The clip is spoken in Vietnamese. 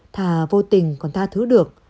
thà vô tình còn tha thứ được